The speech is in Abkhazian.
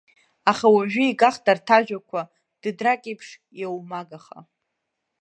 Аха уажәы игахт урҭ ажәақәа, дыдрак еиԥш, иоумагаха.